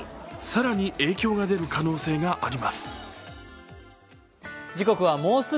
更に影響が出る可能性があります。